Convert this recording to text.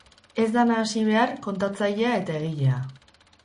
Ez da nahasi behar kontatzailea eta egilea.